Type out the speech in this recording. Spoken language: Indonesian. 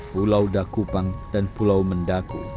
pulau dakupang dan pulau mendaku